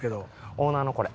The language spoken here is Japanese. オーナーのこれ。